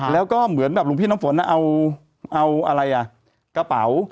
แล้วก็เหมือนแบบหลวงพี่น้ำฝนเอาอะไรอ่ะกระเป๋า